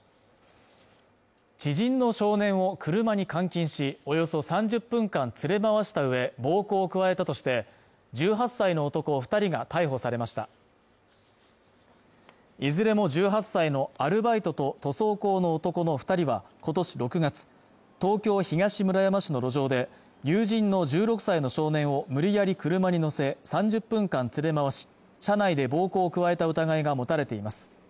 知人の少年を車に監禁しおよそ３０分間連れ回したうえ暴行を加えたとして１８歳の男二人が逮捕されましたいずれも１８歳のアルバイトと塗装工の男の二人は今年６月東京東村山市の路上で友人の１６歳の少年を無理やり車に乗せ３０分間連れ回し車内で暴行を加えた疑いが持たれています